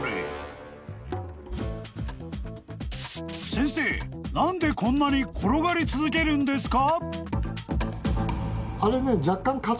［先生何でこんなに転がり続けるんですか？］